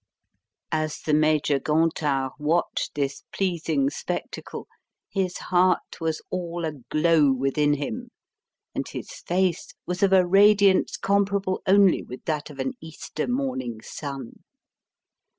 As the Major Gontard watched this pleasing spectacle his heart was all aglow within him and his face was of a radiance comparable only with that of an Easter morning sun.